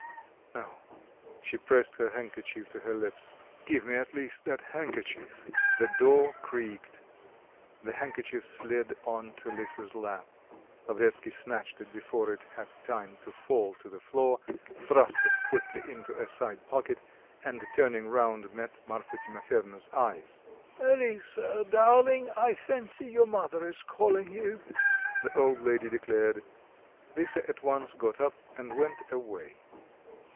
no." She pressed her handkerchief to her lips. "Give me, at least, that handkerchief." The door creaked... the handkerchief slid on to Lisa's lap. Lavretsky snatched it before it had time to fall to the floor, thrust it quickly into a side pocket, and turning round met Marfa Timofyevna's eyes. "Lisa, darling, I fancy your mother is calling you," the old lady declared. Lisa at once got up and went away.